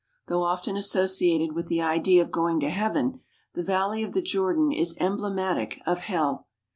Though often associated with the idea of going to heaven, the Valley of the Jordan is em blematic of hell.